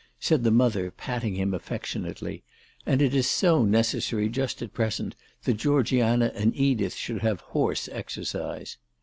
said the mother, patting him affectionately, " and it is so necessary just at present that Georgiana and Edith should have horse exercise."